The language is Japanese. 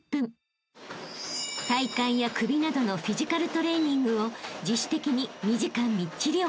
［体幹や首などのフィジカルトレーニングの］